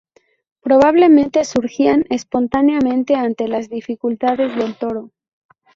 Probablemente surgían espontáneamente ante las dificultades del toro.